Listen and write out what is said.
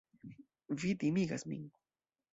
Vi timigas min.